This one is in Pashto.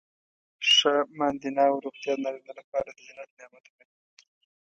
ښه ماندینه او روغتیا د نارینه لپاره د جنت نعمتونه دي.